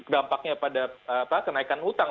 dampaknya pada kenaikan utang